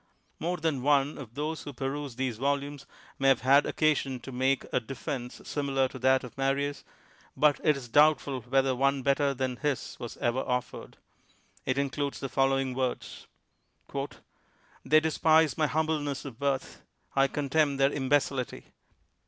^lore than one of those who peruse these vol umes may have had occasion to make a defense INTRODUCTION similar to that of Mariiis, but it is doubtful whether one better than his was ever offered. It includes the following words : "They despise my humbleness of birth; I con temn their imbecility.